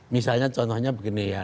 misalnya contohnya begini ya